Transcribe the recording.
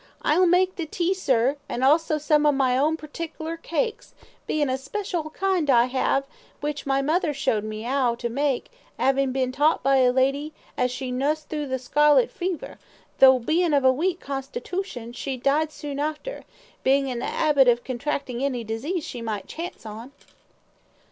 "I'll make the tea, sir, an' also some of my own perticler cakes, bein' a special kind I 'ave, which my mother showed me 'ow to make, 'avin' been taught by a lady as she nussed thro' the scarlet fever, tho' bein' of a weak constitootion, she died soon arter, bein' in the 'abit of contractin' any disease she might chance on."